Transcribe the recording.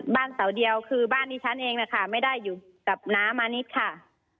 เสาเดียวคือบ้านนี้ฉันเองนะคะไม่ได้อยู่กับน้ามานิดค่ะ